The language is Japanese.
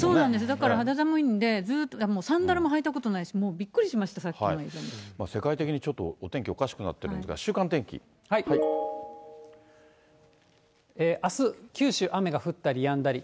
だから肌寒いんで、サンダルも履いたことないです、もうびっくりしました、さっきの世界的にちょっと、お天気おかしくなってるんですが、あす、九州、雨が降ったりやんだり。